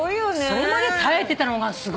それまで耐えてたのがすごい。